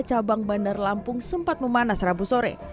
cabang bandar lampung sempat memanas rabu sore